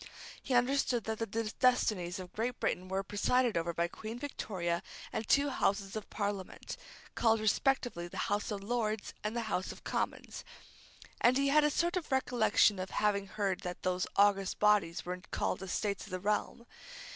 He understood that the destinies of Great Britain were presided over by Queen Victoria and two Houses of Parliament, called respectively the House of Lords and the House of Commons; and he had a sort of recollection of having heard that those august bodies were called Estates of the Realm.